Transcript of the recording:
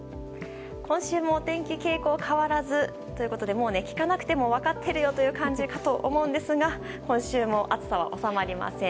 今週も天気傾向は変わらずということでもう聞かなくても分かってるよという感じかと思いますが今週も暑さは収まりません。